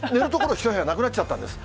１部屋なくなっちゃったんです。